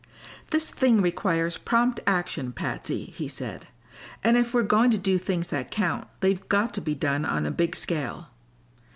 "This thing requires prompt action, Patsy," he said, "and if we're going to do things that count they've got to be done on a big scale."